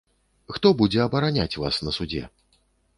Хто будзе абараняць вас на судзе?